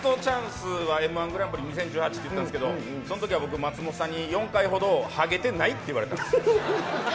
ファーストチャンスはМ‐１グランプリ２０１８って言ったんですけどそんとき松本さんに４回ほどハゲてないと言われたんです。